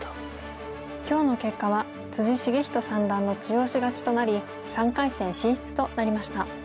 今日の結果は篤仁三段の中押し勝ちとなり３回戦進出となりました。